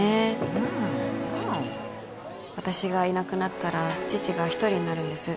うん私がいなくなったら父が一人になるんです